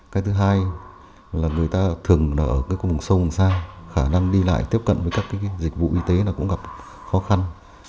cái thứ hai là người ta thường ở cái khu vùng sông xa khả năng đi lại tiếp cận với các dịch vụ y tế là cũng gặp khó khăn